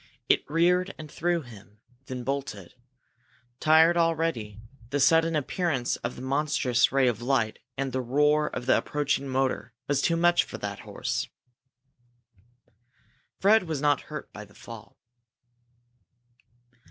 It reared and threw him, then bolted. Tired already, the sudden appearance of the monstrous ray of light and the roar of the approaching motor was too much for that horse. Fred was not hurt by the fall.